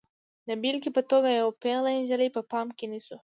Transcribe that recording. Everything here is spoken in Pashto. د بېلګې په توګه یوه پیغله نجلۍ په پام کې نیسو.